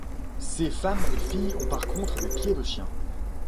Ses femmes et filles ont par contre des pieds de chien.